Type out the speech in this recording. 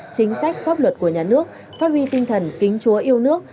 chính sách pháp luật của nhà nước phát huy tinh thần kính chúa yêu nước